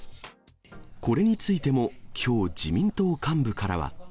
これについても、きょう自民党幹部からは。